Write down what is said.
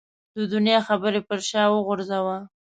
د دنیا خبرې پر شا وغورځوه.